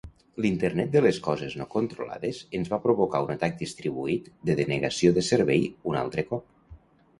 L'Internet de les coses no controlades ens va provocar un atac distribuït de denegació de servei un altre cop.